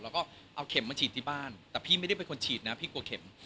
แล้วก็เอาเข็มมาฉีดที่บ้านแต่พี่ไม่ได้เป็นคนฉีดนะพี่กลัวเข็ม